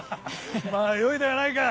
まぁよいではないか。